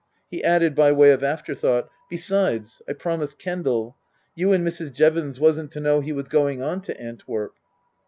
He added by way of afterthought, " Besides, I promised Kendal. You and Mrs. Jevons wasn't to know he was going on to Antwerp."